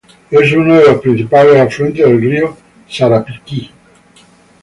Es uno de los principales afluentes del río Sarapiquí.